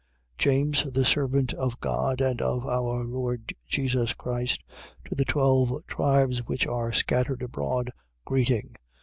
1:1. James, the servant of God and of our Lord Jesus Christ, to the twelve tribes which are scattered abroad, greeting.